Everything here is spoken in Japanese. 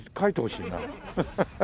ハハハハ。